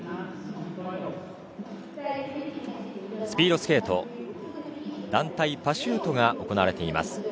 スピードスケート団体パシュートが行われています。